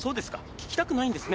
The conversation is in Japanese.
聞きたくないんですね。